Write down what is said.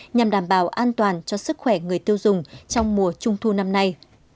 nhằm đảm bảo an toàn cho sức khỏe người tiêu dùng trong mùa trung thu năm nay